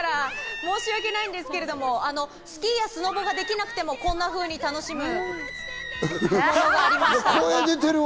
朝から申し訳ないんですけど、スキーやスノボができなくても、こんなふうに楽しめる。